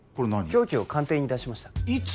凶器を鑑定に出しましたいつ！？